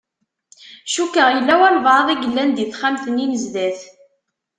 Cukkeɣ yella walebɛaḍ i yellan di texxamt-nni n zdat.